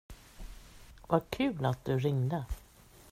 Vad kul att du ringde.